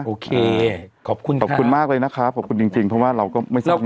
โอเคขอบคุณค่ะขอบคุณมากเลยนะครับขอบคุณจริงจริงเพราะว่าเราก็ไม่ทราบจริงจริง